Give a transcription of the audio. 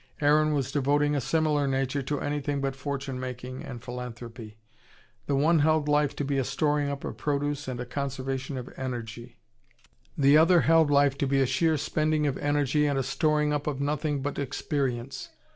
Aaron was devoting a similar nature to anything but fortune making and philanthropy. The one held life to be a storing up of produce and a conservation of energy: the other held life to be a sheer spending of energy and a storing up of nothing but experience.